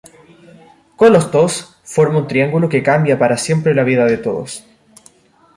Con los dos, forma un triángulo que cambia para siempre la vida de todos.